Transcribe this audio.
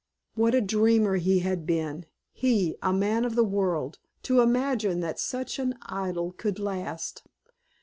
What a dreamer he had been, he, a man of the world, to imagine that such an idyll could last.